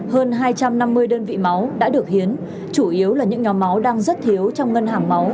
hơn hai trăm năm mươi đơn vị máu đã được hiến chủ yếu là những nhóm máu đang rất thiếu trong ngân hàng máu